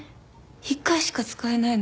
一回しか使えないの？